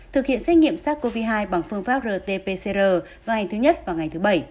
thực hiện xét nghiệm sars cov hai bằng phương pháp rt pcr vào ngày thứ nhất vào ngày thứ bảy